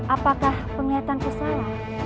apakah penglihatanku salah